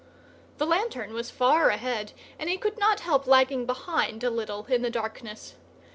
The lantern was far ahead, and he could not help lagging behind a little in the darkness.